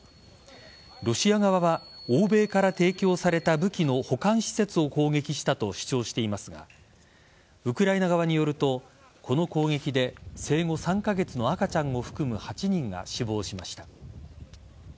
ロシア側は欧米から提供された武器の保管施設を攻撃したと主張していますがウクライナ側によるとこの攻撃で生後３カ月の赤ちゃんを含む８人が死亡しました。